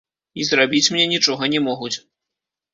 І зрабіць мне нічога не могуць.